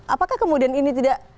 apakah kemudian ini tidak